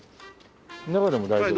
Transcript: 中でも大丈夫？